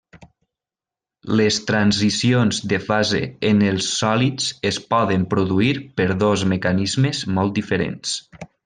Les transicions de fase en els sòlids es poden produir per dos mecanismes molt diferents.